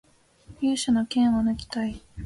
勇者の剣をぬきたい